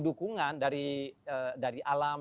dukungan dari alam